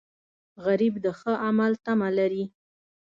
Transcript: غریب د ښه عمل تمه لري